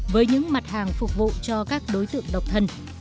với những mặt hàng phục vụ cho các đối tượng độc thân